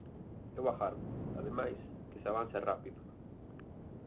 Eu agardo, ademais, que se avance rápido.